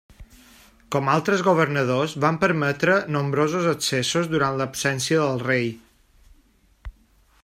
Com altres governadors van permetre nombrosos excessos durant l'absència del rei.